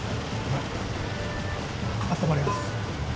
あったまります。